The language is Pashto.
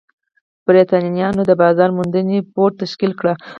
برېټانویانو د بازار موندنې بورډ تشکیل کړ.